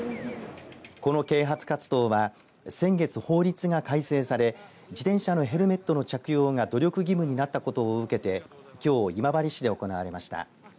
この啓発活動は先月、法律が改正され自転車のヘルメットの着用が努力義務になったことを受けてきょう、今治市で行われました。